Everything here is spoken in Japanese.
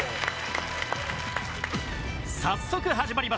早速始まりました